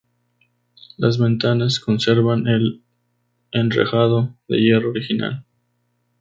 Las ventanas conservan el enrejado de hierro original.